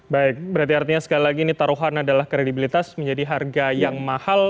baik berarti artinya sekali lagi ini taruhan adalah kredibilitas menjadi harga yang mahal